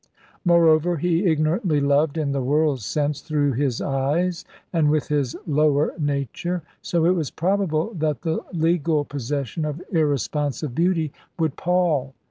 Moreover, he ignorantly loved in the world's sense through his eyes, and with his lower nature; so it was probable that the legal possession of irresponsive beauty would pall.